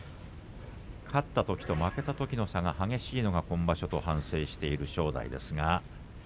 勝ったときと負けたときの差が激しいのが今場所と反省している正代。